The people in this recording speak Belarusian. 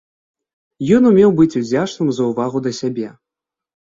Ён умеў быць удзячным за ўвагу да сябе.